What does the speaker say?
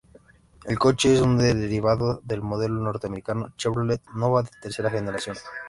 El coche es un derivado del modelo norteamericano Chevrolet Nova de tercera generación.